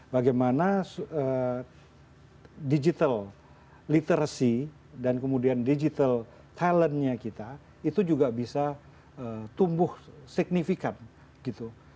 bagaimana digital literacy dan kemudian digital talent nya kita itu juga bisa tumbuh signifikan gitu